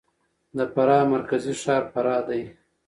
د فراه مرکزي ښار فراه دی.